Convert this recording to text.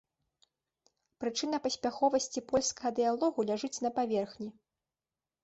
Прычына паспяховасці польскага дыялогу ляжыць на паверхні.